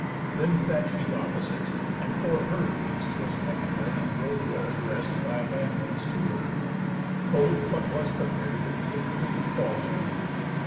Then sat she opposite, and for her feast Was nectar and ambrosia addrest By handmaids to her. Both, what was prepar'd, Did freely fall to.